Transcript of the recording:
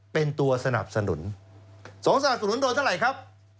เป็นตัวสนับสนุน๒สนับสนุนโดนเท่าไหร่ครับ